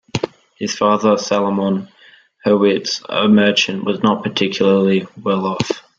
His father Salomon Hurwitz, a merchant, was not particularly well off.